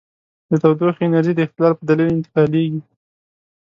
د تودوخې انرژي د اختلاف په دلیل انتقالیږي.